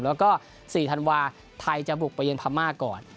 แล้วก็๔ธันวาไทยจะบุกไปยังพม่าก่อน